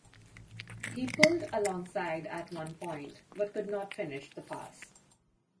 He pulled alongside at one point, but could not finish the pass.